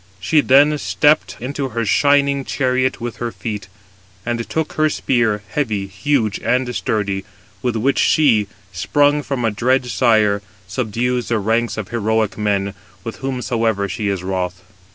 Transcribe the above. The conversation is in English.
She then stepped into her shining chariot with her feet; and took her spear, heavy, huge, and sturdy, with which she, sprung from a dread sire, subdues the ranks of heroic men, with whomsoever she is wroth.